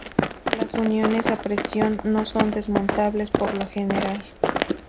Las uniones a presión no son desmontables por lo general.